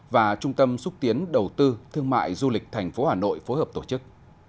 và trung tâm xúc tiến đầu tư thương mại du lịch thành phố hà nội phối hợp tổ chức